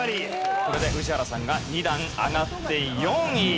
これで宇治原さんが２段上がって４位。